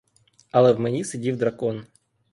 Але в мені сидів дракон.